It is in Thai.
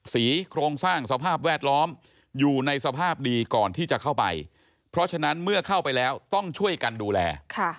โครงสร้างสภาพแวดล้อมอยู่ในสภาพดีก่อนที่จะเข้าไปเพราะฉะนั้นเมื่อเข้าไปแล้วต้องช่วยกันดูแล